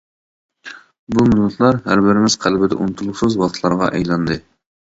بۇ مىنۇتلار ھەربىرىمىز قەلبىدە ئۇنتۇلغۇسىز ۋاقىتلارغا ئايلاندى.